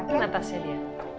mana tasnya dia